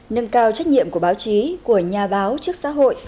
nâng cao trách nhiệm của báo chí của nhà báo trước xã hội